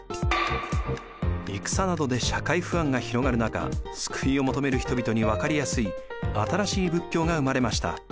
戦などで社会不安が広がる中救いを求める人々にわかりやすい新しい仏教が生まれました。